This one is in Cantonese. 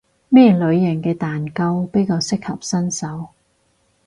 咩類型嘅蛋糕比較適合新手？